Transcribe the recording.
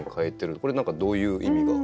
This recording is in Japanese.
これ何かどういう意味が？